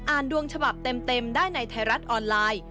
ดวงฉบับเต็มได้ในไทยรัฐออนไลน์